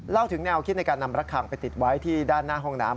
ถึงแนวคิดในการนำระคังไปติดไว้ที่ด้านหน้าห้องน้ำ